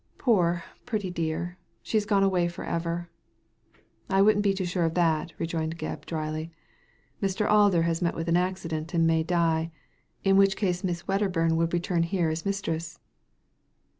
Poor pretty dear, and she's gone away for ever." " I wouldn't be too sure of that," rejoined Gebb, dryly. "Mr. Alder has met with an accident and may die ; in which case Miss Wedderbum will return here as mistress."